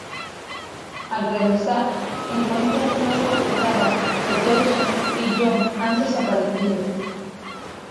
Al regresar, encuentra a su madre asustada pues Jason y Jon han desaparecido.